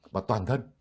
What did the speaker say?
và toàn thân